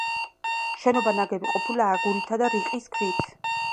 შენობა ნაგები ყოფილა აგურითა და რიყის ქვით.